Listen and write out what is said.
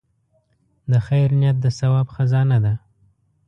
د خیر نیت د ثواب خزانه ده.